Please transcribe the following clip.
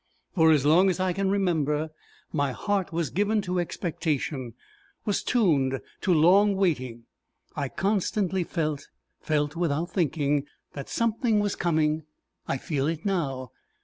For as long as I can remember, my heart was given to expectation, was tuned to long waiting. I constantly felt felt without thinking that something was coming. I feel it now.